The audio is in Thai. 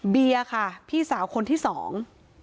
เบียร์ค่ะพี่สาวคนที่สอง